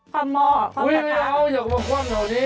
คว่ำโม้คว่ำประถ้าอย่าเอาอยากกลับมาคว่ำแถวนี้